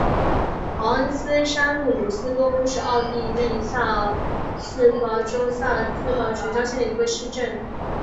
豪恩斯山麓努斯多夫是奥地利萨尔茨堡州萨尔茨堡城郊县的一个市镇。